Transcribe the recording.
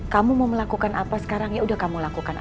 kamu mau melakukan apa sekarang ya udah kamu lakukan